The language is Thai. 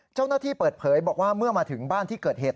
เจ้าหน้าที่เปิดเผยบอกว่าเมื่อมาถึงบ้านที่เกิดเหตุ